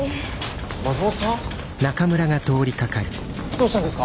どうしたんですか？